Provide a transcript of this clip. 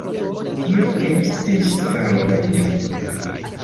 Tio estis stranga tempo!